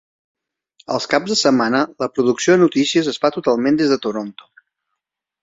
Als caps de setmana la producció de notícies es fa totalment des de Toronto.